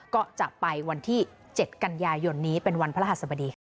ก็จะไปวันที่๗กันยายนนี้เป็นวันพระรหัสบดีค่ะ